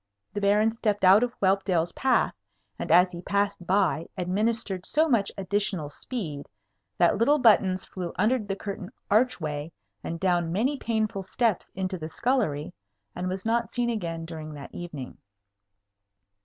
The Baron stepped out of Whelpdale's path, and as he passed by administered so much additional speed that little Buttons flew under the curtained archway and down many painful steps into the scullery, and was not seen again during that evening.